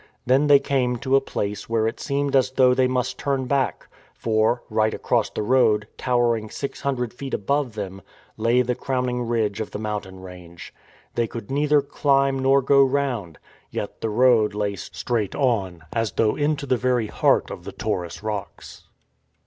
Then they came to a place where it seemed as though they must turn back ; for, right across the road, tower ing six hundred feet above them, lay the crowning ridge of the mountain range. They could neither climb nor go round. Yet the road lay straight on, as though into the very heart of the Taurus rocks.